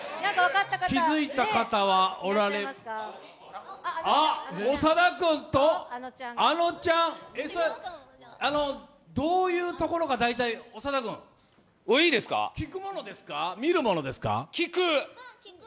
気づいた方はおられ長田君とあのちゃん、どういうところが大体、長田君、聞くものですか、見るものですか？